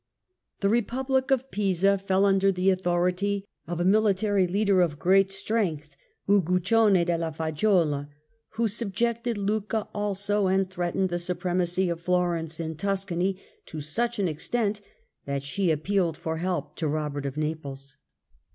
The EepubHc of Pisa fell under the authority of a Florence mihtary leader of great strength, Uguccione della Fag *"'^^^^^ giuola, who subjected Lucca also and threatened the supremacy of Florence in Tuscany to such an extent that she appealed for help to Robert of Naples.